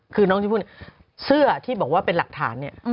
คือน้องชมพู่เนี่ยเสื้อที่บอกว่าเป็นหลักฐานเนี่ย